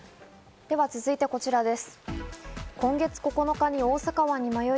では続いてこちらです。